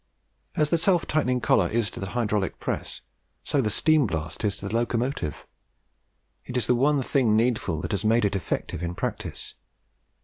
As the self tightening collar is to the hydraulic press, so is the steamblast to the locomotive. It is the one thing needful that has made it effective in practice.